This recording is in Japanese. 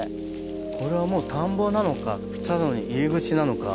これはもう田んぼなのかただの入り口なのか。